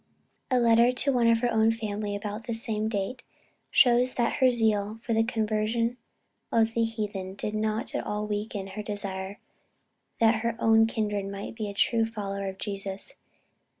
A letter to one of her own family of about the same date, shows that her zeal for the conversion of the heathen, did not at all weaken her desire that her own kindred might be true followers of Jesus.